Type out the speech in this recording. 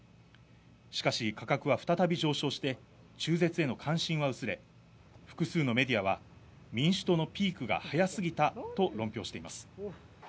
しかし価格は再び上昇して中絶への関心は薄れ、複数のメディアは民主党のピークが早すぎたと論評しています。